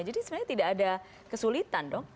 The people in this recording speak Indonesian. jadi sebenarnya tidak ada kesulitan dong